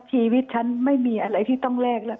ชีวิตฉันไม่มีอะไรที่ต้องแลกแล้ว